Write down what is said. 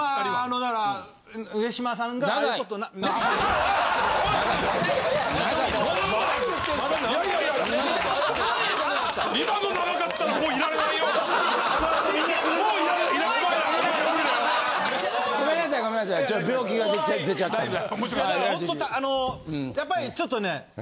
だからほんとあのやっぱりちょっとね